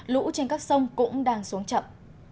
lũ trên các sông cũng đang xuống chậm